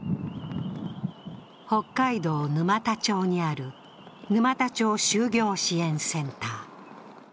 北海道沼田町にある沼田町就業支援センター。